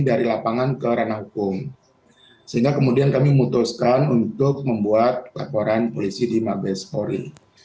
dari lapangan ke ranah hukum sehingga kemudian kami memutuskan untuk membuat laporan polisi di mabes polri